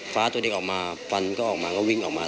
ตัวเด็กออกมาฟันก็ออกมาก็วิ่งออกมา